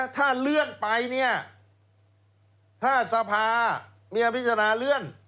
ถ้าเลื่อนไปถ้าทราพาร์ทมีอภิกษณะเรื่ตน